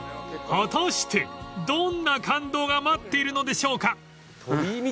［果たしてどんな感動が待っているのでしょうか？］